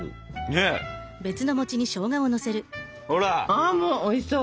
ああもうおいしそう！